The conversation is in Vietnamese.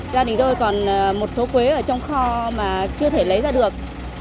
gia đình tôi còn một số quế ở trong kho mà chưa thể lấy ra được